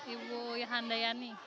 ibu yanda yani